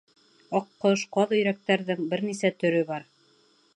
Аҡҡош, ҡаҙ-өйрәктәрҙең бер нисә төрө бар.